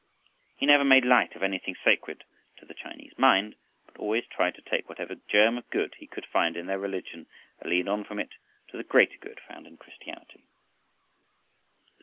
He never made light of anything sacred to the Chinese mind, but always tried to take whatever germ of good he could find in their religion, and lead on from it to the greater good found in Christianity.